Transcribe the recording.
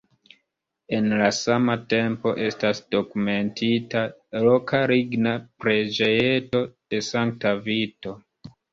En la sama tempo estas dokumentita loka ligna preĝejeto de sankta Vito.